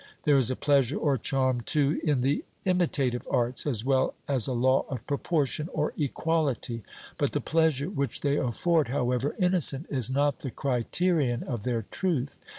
There is a pleasure or charm, too, in the imitative arts, as well as a law of proportion or equality; but the pleasure which they afford, however innocent, is not the criterion of their truth.